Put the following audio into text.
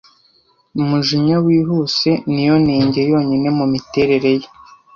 Umujinya wihuse niyo nenge yonyine mumiterere ye.